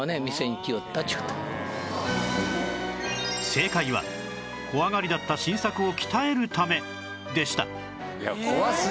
正解は怖がりだった晋作を鍛えるためでした